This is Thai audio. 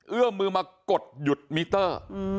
เอื้อมมือมากดหยุดมิเตอร์